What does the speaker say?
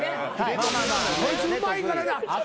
こいつうまいからな。